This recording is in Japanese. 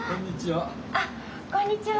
あっこんにちは。